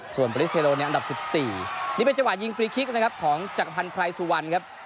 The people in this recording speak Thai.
ส่วนบริสเทโลในอันดับ๑๔นี่เป็นจังหวะยิงฟรีคลิกนะครับของจักรพันธ์ไพรสุวรรณครับ